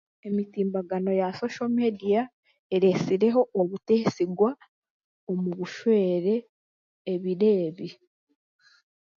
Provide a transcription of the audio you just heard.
Emitimbagano ya soso mediya ereesireho obuteesigwa omu bushwere ebiro ebi